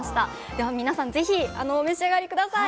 では皆さん是非お召し上がり下さい。